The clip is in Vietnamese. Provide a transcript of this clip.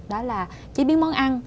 đó là chế biến món ăn